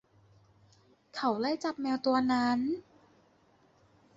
เขาไล่จับแมวตัวนั้น